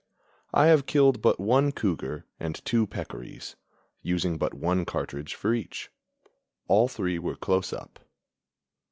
I have killed but one cougar and two peccaries, using but one cartridge for each; all three were close up.